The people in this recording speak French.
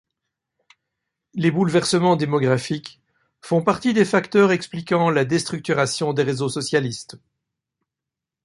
Les bouleversements démographiques font partie des facteurs expliquant la déstructuration des réseaux socialistes.